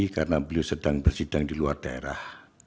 karena beliau sedang bersidang di luar daerah